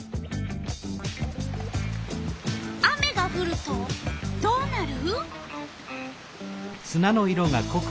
雨がふるとどうなる？